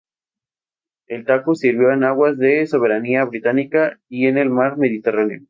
El "Taku" sirvió en aguas de soberanía británica y en el mar Mediterráneo.